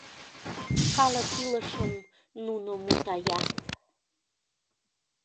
Калык илышым нуно мутаят...